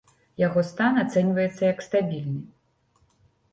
Яго стан ацэньваецца як стабільны.